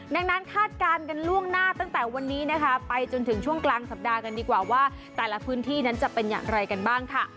ดังนั้นคาดการณ์กันล่วงหน้าตั้งแต่วันนี้นะคะไปจนถึงช่วงกลางสัปดาห์กันดีกว่าว่าแต่ละพื้นที่นั้นจะเป็นอย่างไรกันบ้างค่ะ